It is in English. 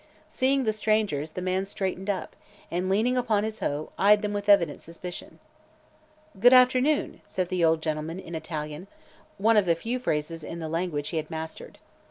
Seeing the strangers the man straightened up and, leaning upon his hoe, eyed them with evident suspicion. "Good afternoon," said the old gentleman in Italian one of the few phrases in the language he had mastered.